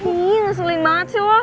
iiih neselin banget sih lo